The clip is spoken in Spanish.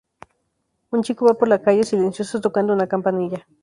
Un chico va por la calle, silencioso, tocando una campanilla.